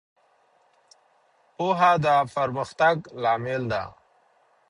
پوهه د پرمختګ لامل ده.